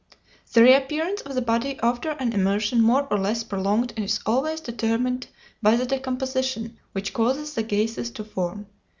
The reappearance of the body after an immersion more or less prolonged is always determined by the decomposition, which causes the gases to form.